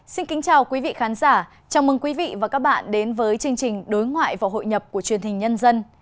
xin kính chào quý vị khán giả chào mừng quý vị và các bạn đến với chương trình đối ngoại và hội nhập của truyền hình nhân dân